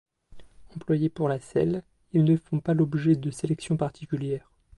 Employés pour la selle, ils ne font pas l'objet de sélection particulière.